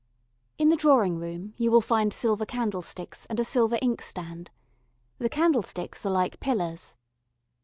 In the drawing room you will find silver candlesticks and a silver inkstand. The candlesticks are like pillars.